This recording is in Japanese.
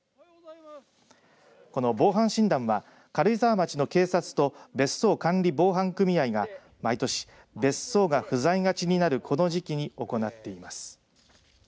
この防犯診断は軽井沢町の警察と別荘管理防犯組合が毎年別荘が不在がちになるこの時期に行っています。